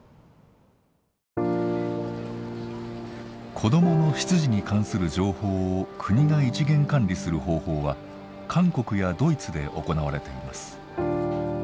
子どもの出自に関する情報を国が一元管理する方法は韓国やドイツで行われています。